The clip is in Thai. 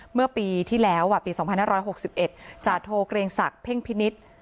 เมื่อปีที่แล้วปี๒๕๖๑จาโทเกรียงศักดิ์เพ่งพินิษฐ์